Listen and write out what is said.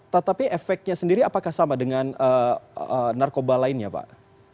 tetapi efeknya sendiri apakah sama dengan narkoba lainnya pak